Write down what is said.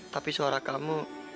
tapi suara kamu